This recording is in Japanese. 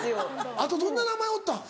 あとどんな名前おった？